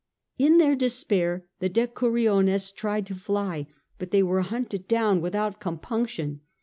In their despair the decuriones try to fly, but they are hunted down without compunction.